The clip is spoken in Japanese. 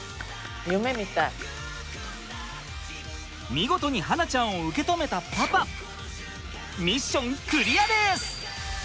見事に巴梛ちゃんを受け止めたパパミッションクリアです！